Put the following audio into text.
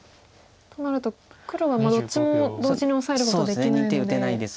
となると黒はどっちも同時にオサえることできないので。